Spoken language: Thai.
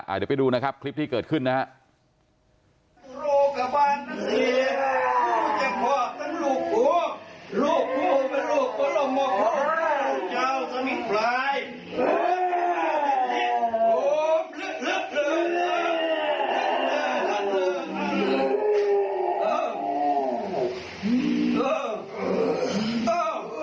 เดี๋ยวไปดูนะครับคลิปที่เกิดขึ้นนะครับ